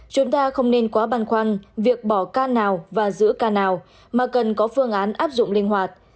chúng ta không nên quá băn khoăn việc bỏ ca nào và giữ ca nào mà cần có phương án áp dụng linh hoạt